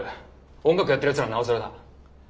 音楽やってるやつならなおさらだ。